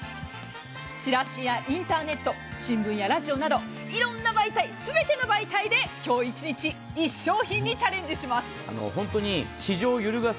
チラシやインターネット新聞やラジオなど色んな媒体、全ての媒体で今日１日、１商品にチャレンジします。